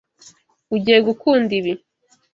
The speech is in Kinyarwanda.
Ugiye gukunda ibi.